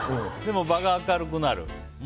でも場が明るくなる。